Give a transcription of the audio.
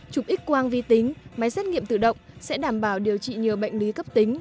chụp x quang vi tính máy xét nghiệm tự động sẽ đảm bảo điều trị nhiều bệnh lý cấp tính